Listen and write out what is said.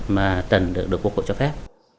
mà tần được bố cụ cho phép